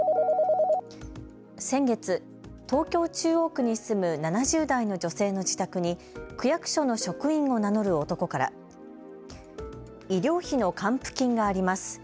先月、東京・中央区に住む７０代の女性の自宅に区役所の職員を名乗る男から医療費の還付金があります。